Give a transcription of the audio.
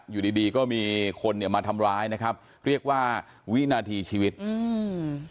อยู่ดีดีก็มีคนเนี่ยมาทำร้ายนะครับเรียกว่าวินาทีชีวิตอืม